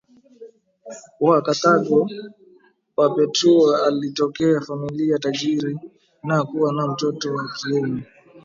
wa Karthago Perpetua alitokea familia tajiri na kuwa na mtoto wa kiume